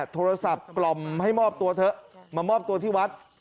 โทรศัพท์กล่อมให้มอบตัวเถอะมามอบตัวที่วัด